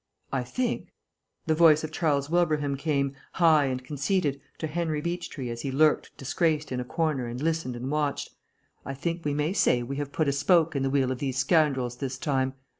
"I think," the voice of Charles Wilbraham came, high and conceited, to Henry Beechtree as he lurked disgraced in a corner and listened and watched, "I think we may say we have put a spoke in the wheel of these scoundrels this time.